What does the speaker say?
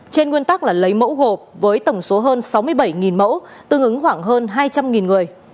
trên nguyên tắc là lấy mẫu gộp với tổng số hơn sáu mươi bảy mẫu tương ứng khoảng hơn hai trăm linh người